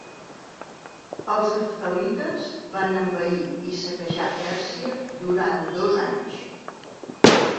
Els heftalites van envair i saquejar Pèrsia durant dos anys.